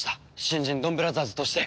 新人ドンブラザーズとして。